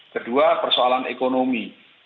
kedua persoalan ekonomi